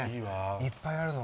いっぱいあるの。